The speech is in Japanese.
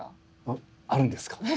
えっあるんですか？